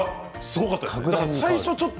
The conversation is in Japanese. すごかったです。